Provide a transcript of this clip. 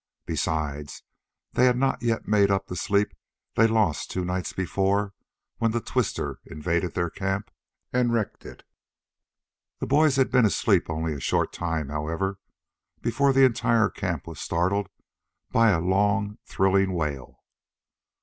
Besides, they had not yet made up the sleep they lost two nights before when the "twister" invaded their camp and wrecked it. The boys had been asleep only a short time, however, before the entire camp was startled by a long, thrilling wail.